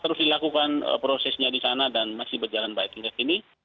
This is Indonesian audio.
terus dilakukan prosesnya di sana dan masih berjalan baik hingga kini